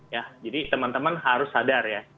ya jadi teman teman harus sadar ya